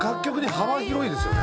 幅広いですね。